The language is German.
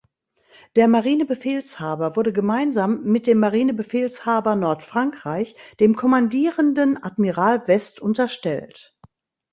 Der Marinebefehlshaber wurde gemeinsam mit dem Marinebefehlshaber Nordfrankreich dem Kommandierenden Admiral West unterstellt.